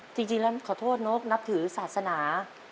จริงแล้วขอโทษนกนับถือศาสนา